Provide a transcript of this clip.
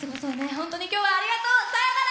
本当に今日はありがとう！さようなら！